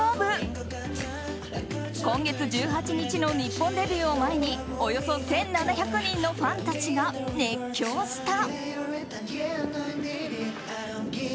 今月１８日の日本デビューを前におよそ１７００人のファンたちが熱狂した。